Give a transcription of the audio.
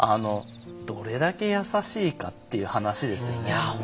どれだけ優しいかっていう話ですよね。